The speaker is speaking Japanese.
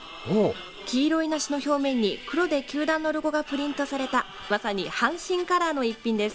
黄色い梨の表面に黒で球団のロゴがプリントされたまさに阪神カラーの一品です。